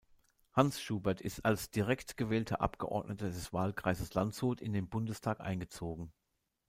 Hans Schuberth ist als direkt gewählter Abgeordneter des Wahlkreises Landshut in den Bundestag eingezogen.